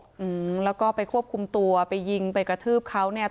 อืมแล้วก็ไปควบคุมตัวไปยิงไปกระทืบเขาเนี่ย